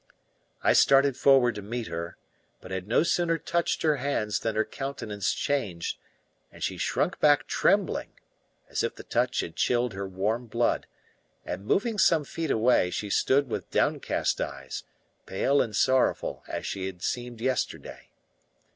I started forward to meet her, but had no sooner touched her hands than her countenance changed, and she shrunk back trembling, as if the touch had chilled her warm blood; and moving some feet away, she stood with downcast eyes, pale and sorrowful as she had seemed yesterday.